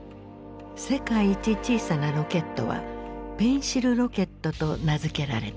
世界一小さなロケットはペンシルロケットと名付けられた。